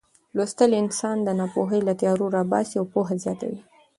لوستل انسان د ناپوهۍ له تیارو راباسي او پوهه زیاتوي.